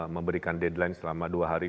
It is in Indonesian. memberikan deadline selama dua hari